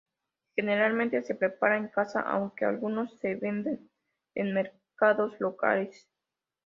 Generalmente se prepara en casa, aunque algunos se venden en mercados locales.